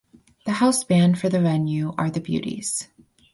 The house band for the venue are The Beauties.